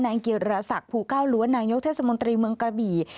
นายเกียรษักผู้ก้าวล้วนนายยกเทศมนตรีเมืองกระบี่